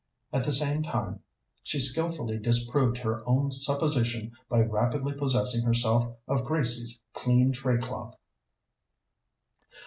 At the same time she skilfully disproved her own supposition by rapidly possessing herself of Grace's clean tray cloth.